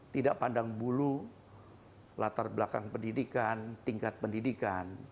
tidak pandang bulu latar belakang pendidikan tingkat pendidikan